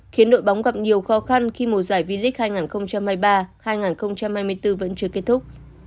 khiến đội bóng gặp nhiều khó khăn khi mùa giải v lic hai nghìn hai mươi ba hai nghìn hai mươi bốn vẫn chưa kết thúc